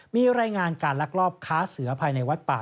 มีรายงานการลักลอบค้าเสือภายในวัดป่า